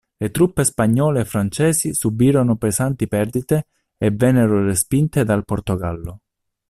Le truppe spagnole e francesi subirono pesanti perdite e vennero respinte dal Portogallo.